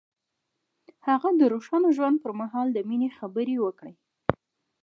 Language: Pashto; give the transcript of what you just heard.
هغه د روښانه ژوند پر مهال د مینې خبرې وکړې.